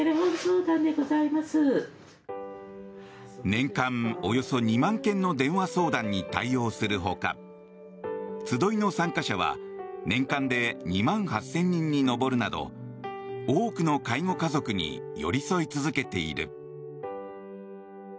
年間およそ２万件の電話相談に対応するほか集いの参加者は年間で２万８０００人に上るなど多くの介護家族に寄り添い続けている。